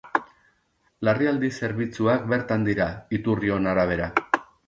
Larrialdi zerbitzuak bertan dira, iturrion arabera.